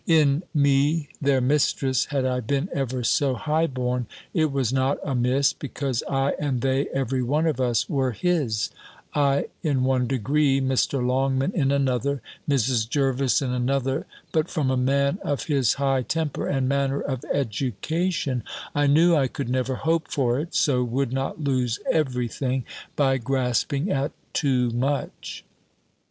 In me their mistress, had I been ever so high born, it was not amiss, because I, and they, every one of us, were his; I in one degree, Mr. Longman in another, Mrs. Jervis in another But from a man of his high temper and manner of education, I knew I could never hope for it, so would not lose every thing, by grasping at too much.